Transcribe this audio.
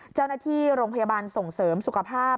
เจ้าหน้าที่โรงพยาบาลส่งเสริมสุขภาพ